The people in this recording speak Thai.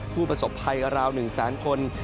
ผู้ประสบภัยราว๑แสนคน